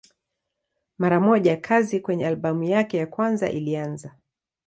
Mara moja kazi kwenye albamu yake ya kwanza ilianza.